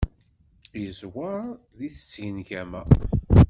Yeẓwer deg tsengama.